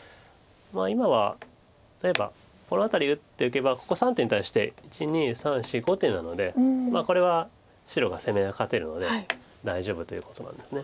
今は例えばこの辺り打っておけばここ３手に対して１２３４５手なのでこれは白が攻め合い勝てるので大丈夫ということなんです。